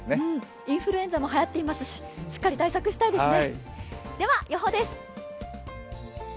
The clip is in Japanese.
インフルエンザもはやっていますししっかり対策したいですね。